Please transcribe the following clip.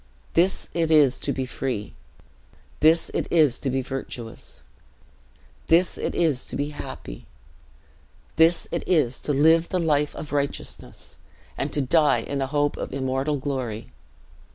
"This it is to be free; this it is to be virtuous; this it is to be happy; this it is to live the life of righteousness, and to die in the hope of immortal glory.